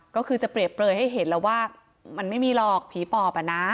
ก็คือจะเปรียบเปลยให้เห็นแล้วว่ามันไม่มีหรอกผีปอบอ่ะนะ